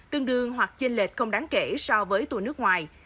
tương đương hoặc trên lệch không đáng kể so với tour nước ngoài